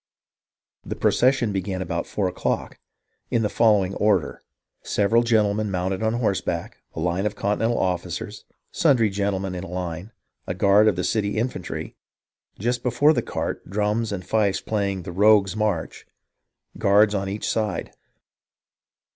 "The procession began about four o'clock, in the follow ing order : Several gentlemen mounted on horseback, a line of Continental officers ; sundry gentlemen in a line ; a guard of the city infantry ; just before the cart, drums and fifes playing the ' Rogue's March '; guards on each side.